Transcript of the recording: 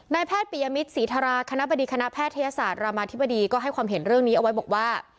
แพทย์ปิยมิตรศรีธราคณะบดีคณะแพทยศาสตร์รามาธิบดีก็ให้ความเห็นเรื่องนี้เอาไว้บอกว่า